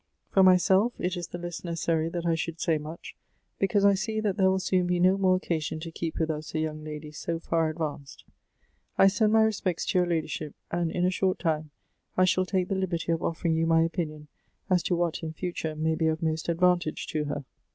For myseltj it is the less necessary that I should say much, because I see that there will soon be no more occasion to keep with us a young lady so far advanced. I send my respects to your ladyship, and in a short time I sh.ill take the liberty of offering you my opinion as to what in future may be of most advantage to her.